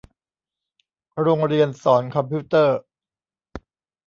โรงเรียนสอนคอมพิวเตอร์